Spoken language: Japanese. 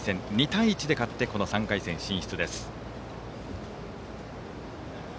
２対１で勝って３回戦進出です。